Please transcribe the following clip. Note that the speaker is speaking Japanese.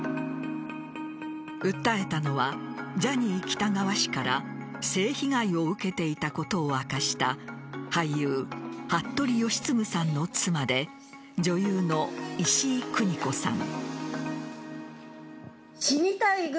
訴えたのはジャニー喜多川氏から性被害を受けていたことを明かした俳優、服部吉次さんの妻で女優の石井くに子さん。